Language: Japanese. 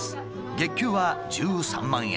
月給は１３万円。